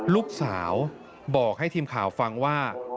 ลูกสาวบอกให้ทีมข่าวฟังว่า